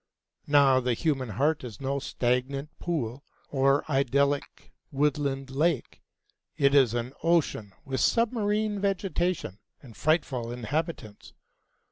Now the human heart is no stagnant pool or idyllic woodland lake. It is an ocean with submarine vegetation and frightful inhabitants.